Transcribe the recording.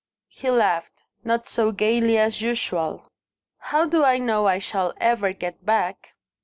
He laughed not so gaily as usual. "How do I know I shall ever get back?"